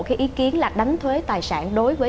cái ý kiến là đánh thuế tài sản đối với